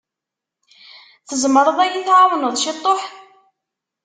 Tzemreḍ ad yi-tεwawneḍ ciṭuḥ?